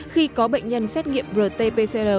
khi có bệnh nhân xét nghiệm rt pcr